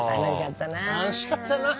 楽しかったなあ。